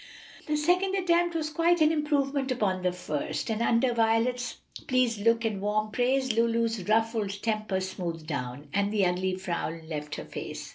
The second attempt was quite an improvement upon the first, and under Violet's pleased look and warm praise Lulu's ruffled temper smoothed down, and the ugly frown left her face.